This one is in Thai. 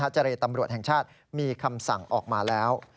เจรตำรวจแห่งชาติมีคำสั่งออกมาแล้ว